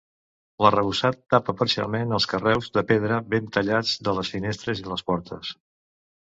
L'arrebossat tapa parcialment els carreus de pedra ben tallats de les finestres i les portes.